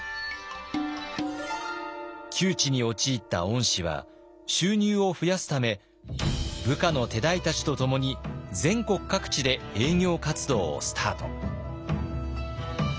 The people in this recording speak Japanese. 窮地に陥った御師は収入を増やすため部下の手代たちと共に全国各地で営業活動をスタート。